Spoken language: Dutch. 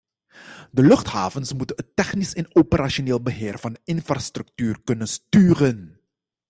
De luchthavens moeten het technisch en operationeel beheer van de infrastructuur kunnen sturen.